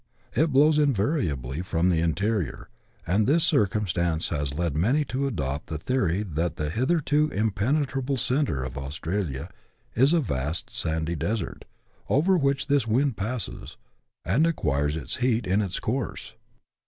It blows invariably from the interior, and this circumstance has led many to adopt the theory that the hitherto impenetrable centre of Australia is a vast sandy desert, over which this wind passes, and acquires ^ its heat in its course.